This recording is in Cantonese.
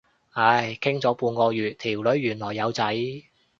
唉，傾咗半個月，條女原來有仔。